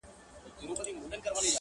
زه،